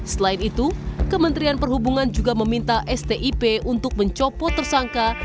selain itu kementerian perhubungan juga meminta stip untuk mencopot tersangka